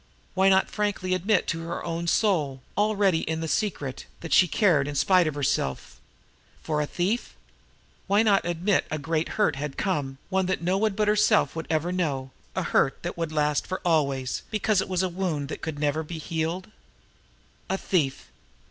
Why not frankly admit to her own soul, already in the secret, that she cared in spite of herself for a thief? Why not admit that a great hurt had come, one that no one but herself would ever know, a hurt that would last for always because it was a wound that could never be healed? A thief!